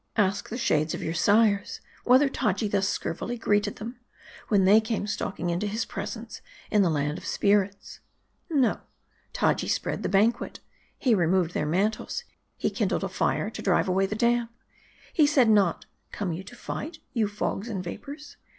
Ask the shades of your sires whether Taji thus scurvily greeted them, when they came stalking into his presence in the land 198 M A R D I. of spirits. No. Taji spread the banquet. He removed their mantles. He kindled a fire to drive away the damp. He said not, 'Come you to fight, you fogs and vapors?